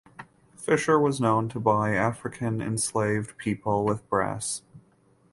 Fisher was known to buy African enslaved people with brass.